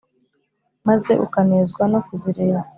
maze ukanezwa no kuzireba.